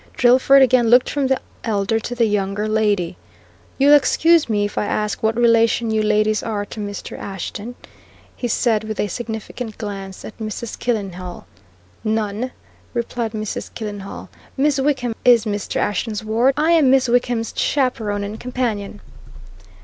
Drillford again looked from the elder to the younger lady. "You'll excuse me if I ask what relation you ladies are to Mr. Ashton?" he said with a significant glance at Mrs. Killenhall. "None!" replied Mrs. Killenhall. "Miss Wickham is Mr. Ashton's ward. I am Miss Wickham's chaperon and companion."